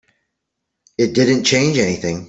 It didn't change anything.